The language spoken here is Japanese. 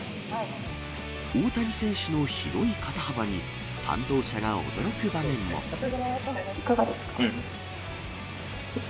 大谷選手の広い肩幅に、いかがですか。